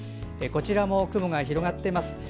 こちらも雲が広がっています。